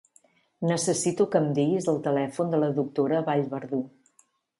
Necessito que em diguis el telèfon de la doctora Vallverdú.